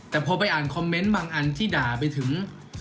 แต่พอไปอ่านคอมเมนต์บางอันที่ด่าไปถึง